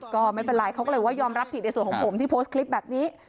ก็ไม่เป็นไรเขาก็เลยว่ายอมรับผิดในส่วนของผมที่โพสต์คลิปแบบนี้